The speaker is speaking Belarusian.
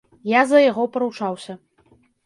Я за яго паручаўся.